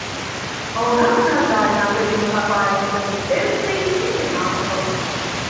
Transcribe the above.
А ў нас, на жаль, на гэта не хапае ні кампетэнцыі, ні фінансаў.